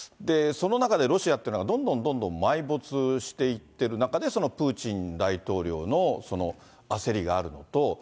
その中でロシアっていうのが、どんどんどんどん埋没していってる中で、プーチン大統領の焦りがあると。